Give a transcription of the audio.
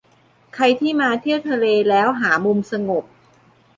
ใครที่มาเที่ยวทะเลแล้วหามุมสงบ